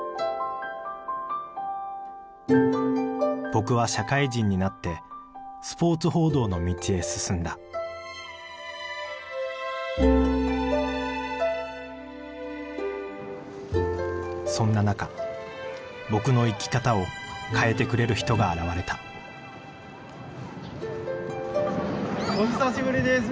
僕は社会人になってスポーツ報道の道へ進んだそんな中僕の生き方を変えてくれる人が現れたお久しぶりです